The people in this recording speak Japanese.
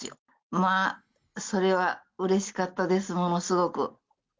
まあそれは、うれしかったです、ものすごく。